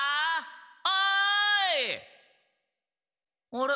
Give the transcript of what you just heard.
あれ？